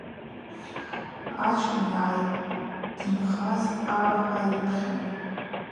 Ачкӏвын йгӏайтынхаз Къара – хӏва йыпхьун.